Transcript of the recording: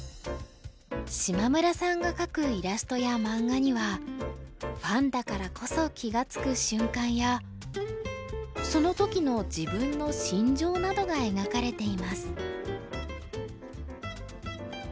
島村さんが描くイラストや漫画にはファンだからこそ気が付く瞬間やその時の自分の心情などが描かれています。